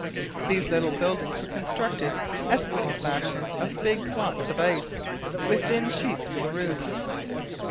These little buildings were constructed, Esquimaux fashion, of big blocks of ice, with thin sheets for the roofs.